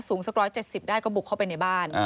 สัก๑๗๐ได้ก็บุกเข้าไปในบ้าน